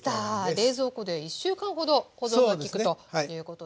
冷蔵庫で１週間ほど保存がきくということですね。